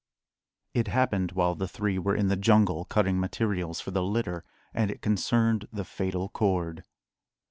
It happened while the three were in the jungle cutting materials for the litter, and it concerned the fatal cord.